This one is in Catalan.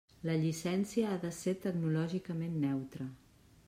La llicència ha de ser tecnològicament neutra.